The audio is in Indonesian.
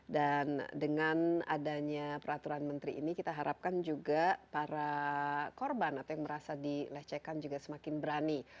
dan dengan adanya peraturan menteri ini kita harapkan juga para korban atau yang merasa dilecehkan juga semakin berani